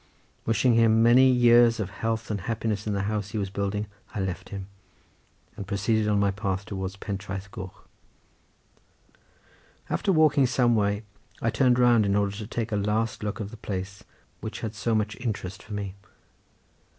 Wishing him many years of health and happiness in the house he was building, I left him, and proceeded on my path towards Pentraeth Coch. After walking some way, I turned round in order to take a last look of a place which had so much interest for me.